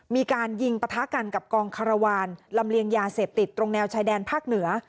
มีการยิงปะทะกันกับกองคารวาลลำเลียงยาเสพติดตรงแนวชายแดนภาคเหนือ